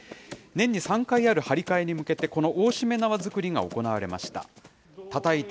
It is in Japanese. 年に３回ある張り替えに向けて、この大しめ縄作りが行われました。